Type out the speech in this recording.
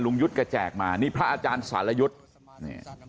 ยุทธ์ก็แจกมานี่พระอาจารย์สารยุทธ์นี่